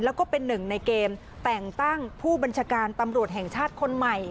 แล้วก็เป็นหนึ่งในเกมแต่งตั้งผู้บัญชาการตำรวจแห่งชาติคนใหม่